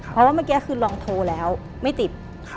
เพราะว่าเมื่อกี้คือลองโทรแล้วไม่ติด